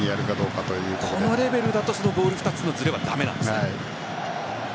このレベルだとボール２つのずれは駄目なんですね。